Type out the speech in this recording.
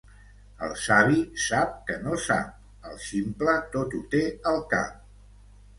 El savi sap que no sap, el ximple tot ho té al cap.